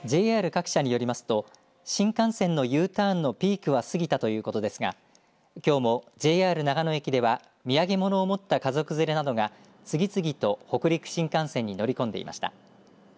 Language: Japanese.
ＪＲ各社によりますと新幹線のＵターンのピークは過ぎたということですがきょうもＪＲ長野駅では土産物を持った家族連れなどが次々と北陸新幹線に乗り込んでいました。